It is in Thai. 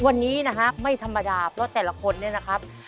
วันนี้นะฮะไม่ธรรมดาเพราะแต่ละคนเนี่ยนะครับ